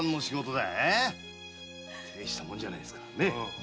大したもんじゃないですか。